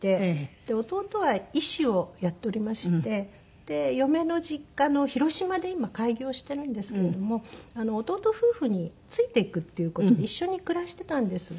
で弟は医師をやっておりまして嫁の実家の広島で今開業してるんですけれども弟夫婦についていくっていう事で一緒に暮らしてたんですが。